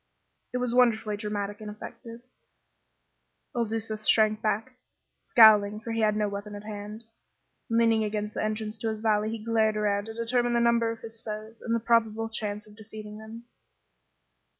It was wonderfully dramatic and effective. Il Duca shrank back, scowling, for he had no weapon at hand. Leaning against the entrance to his valley he glared around to determine the number of his foes and the probable chance of defeating them.